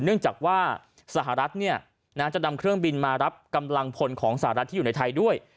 เนื่องจากว่าสหรัฐจะนำเครื่องบินมารับกำลังพลของสหรัฐที่อยู่ในไทยด้วย